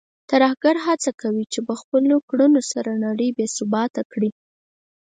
ترهګر هڅه کوي چې په خپلو کړنو سره نړۍ بې ثباته کړي.